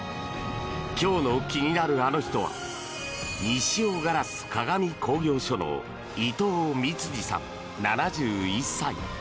今日の気になるアノ人は西尾硝子鏡工業所の伊藤満次さん、７１歳。